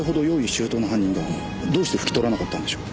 周到な犯人がどうして拭き取らなかったんでしょう？